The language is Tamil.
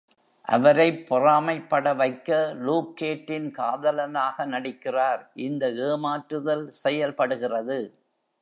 அவரைப் பொறாமைப்பட வைக்க, லூக் கேட்டின் காதலனாக நடிக்கிறார், இந்த ஏமாற்றுதல் செயல்படுகிறது.